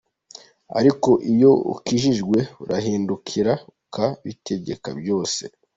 Ariko iyo ukijijwe urahindukira ukabitegeka byose.